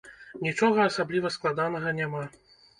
Нічога асабліва складанага няма.